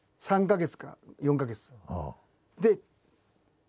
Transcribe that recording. ３か月か４か月。